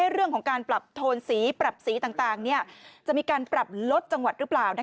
เรื่องของการปรับโทนสีปรับสีต่างจะมีการปรับลดจังหวัดหรือเปล่า